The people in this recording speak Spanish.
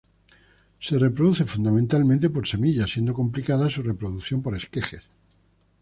Se reproduce fundamentalmente por semilla, siendo complicada su reproducción por esquejes.